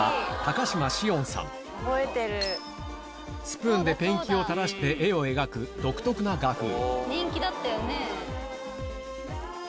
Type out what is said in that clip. スプーンでペンキを垂らして絵を描く独特な画風